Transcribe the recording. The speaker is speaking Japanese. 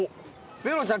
ペロちゃん！